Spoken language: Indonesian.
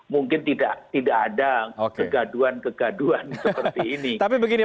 mungkin tidak ada kegaduan kegaduan seperti ini